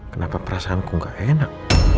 kenapa perasaanku enggak enak